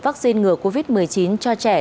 vaccine ngừa covid một mươi chín cho trẻ